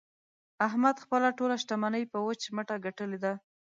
احمد خپله ټوله شمني په وچ مټه ګټلې ده.